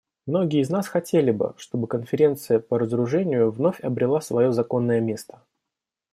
Многие из нас хотели бы, чтобы Конференция по разоружению вновь обрела свое законное место.